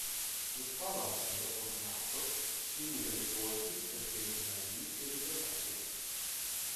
Lo squalo angelo ornato si nutre di polpi, serpenti marini e di crostacei vari.